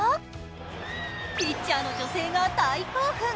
ピッチャーの女性が大興奮。